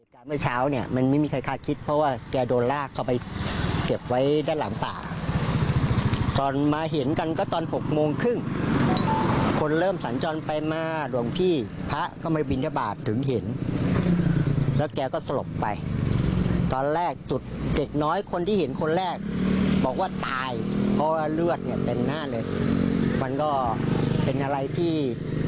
แล้วก็เลือดเต็มหน้าเลยมันก็เป็นอะไรที่